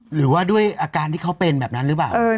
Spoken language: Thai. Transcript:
หรือว่าด้วยอาการที่เขาเป็นแบบนั้นหรือเปล่า